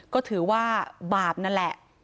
ก็ถือว่าบาปนั่นแหละ